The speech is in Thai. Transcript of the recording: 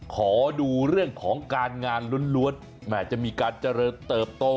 ขอดูเรื่องของการงานล้วนแหมจะมีการเจริญเติบโต